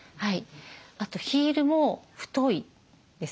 あとヒールも太いですね。